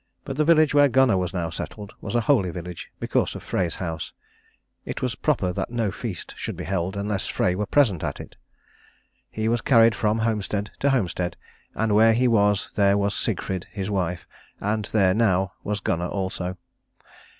But the village where Gunnar was now settled was a holy village, because of Frey's house. It was proper that no feast should be held unless Frey were present at it. He was carried from homestead to homestead; and where he was there was Sigrid his wife, and there now was Gunnar also.